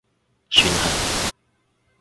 算係